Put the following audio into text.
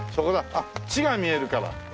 あっ「ち」が見えるから。